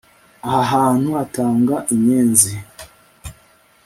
Aha hantu hatanga inyenzi